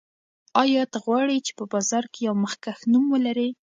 آیا ته غواړې چې په بازار کې یو مخکښ نوم ولرې؟